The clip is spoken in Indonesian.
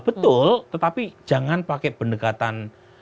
betul tetapi jangan pakai pendekatan